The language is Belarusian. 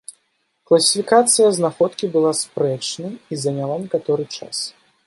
Класіфікацыя знаходкі была спрэчнай і заняла некаторы час.